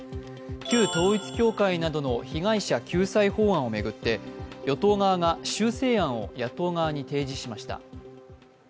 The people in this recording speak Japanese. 旧統一教会などの被害者救済法案を巡って与党側が修正案を野党側に提示しました。